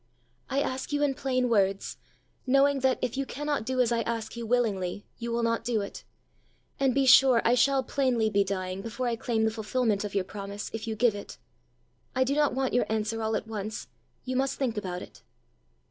I ask you in plain words, knowing that if you cannot do as I ask you willingly, you will not do it. And be sure I shall plainly be dying before I claim the fulfilment of your promise if you give it. I do not want your answer all at once: you must think about it."